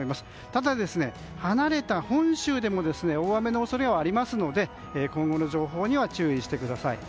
ただ、離れた本州でも大雨の恐れはありますので今後の情報には注意してください。